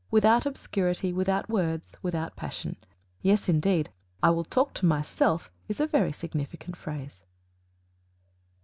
without obscurity, without words, without passion. Yes, indeed: "I will talk to myself" is a very significant phrase.